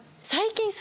最近。